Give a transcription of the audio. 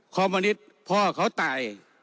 คอมมินิสพ่อเขาตาย